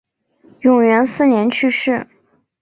永元四年去世。